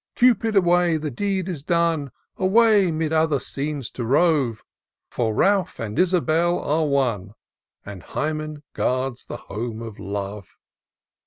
Cupid, away ! the deed is done ! Away, 'mid other scenes to rove ; For Ralph and Isabel are one. And Hymen guards the home of Love.